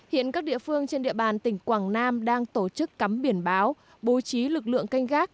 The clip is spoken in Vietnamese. hiện các địa phương trên địa bàn tỉnh quảng nam đang tổ chức cắm biển báo bố trí lực lượng canh gác